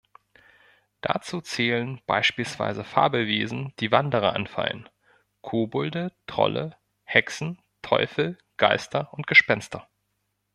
Dazu zählen beispielsweise Fabelwesen, die Wanderer anfallen, Kobolde, Trolle, Hexen, Teufel, Geister und Gespenster.